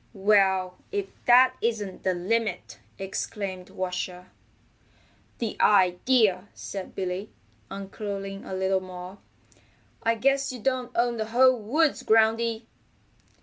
"Well, if that isn't the limit!" exclaimed Washer. "The idea!" said Billy, uncurling a little more. "I guess you don't own the whole woods, Groundy."